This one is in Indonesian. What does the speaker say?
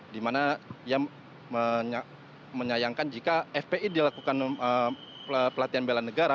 di mana dia menyayangkan jika fpi dilakukan pelatihan bela negara